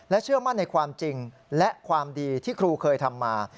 เชื่อมั่นในความจริงและความดีที่ครูเคยทำมา